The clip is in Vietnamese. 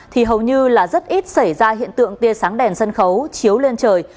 thì hầu như là rất ít xảy ra hiện tượng tia sáng đèn sân khấu chiếu lên trời